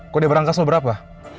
kode berangkas lo berapa